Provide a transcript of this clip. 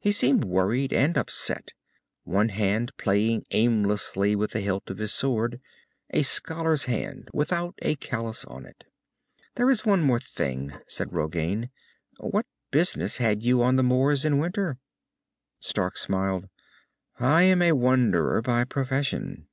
He seemed worried and upset, one hand playing aimlessly with the hilt of his sword. A scholar's hand, without a callous on it. "There is one thing more," said Rogain. "What business had you on the moors in winter?" Stark smiled. "I am a wanderer by profession."